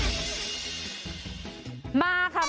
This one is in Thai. ชั่วตลอดตลาด